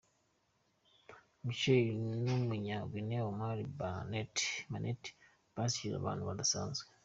Michael n'umunya Guinee, Oumar Manet basekeje abantu bidasanzwe.